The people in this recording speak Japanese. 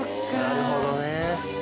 なるほどね。